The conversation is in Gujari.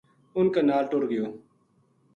ان کے نال ٹر گیو